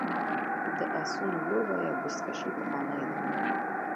د اسونو لوبه یا بزکشي پخوانۍ ده